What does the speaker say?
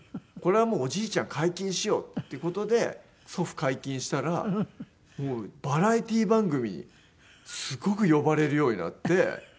これはもうおじいちゃん解禁しようっていう事で祖父解禁したらバラエティー番組にすごく呼ばれるようになって。